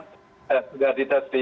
sudah dites di tv